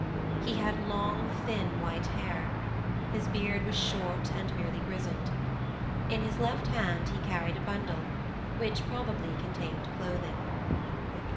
He had long thin white hair; his beard was short and merely grizzled. In his left hand he carried a bundle, which probably contained clothing.